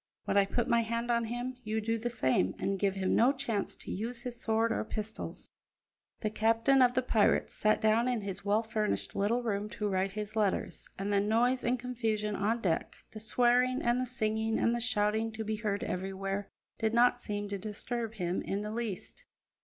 When I put my hand on him, you do the same, and give him no chance to use his sword or pistols." The captain of the pirates sat down in his well furnished little room to write his letters, and the noise and confusion on deck, the swearing and the singing and the shouting to be heard everywhere, did not seem to disturb him in the least.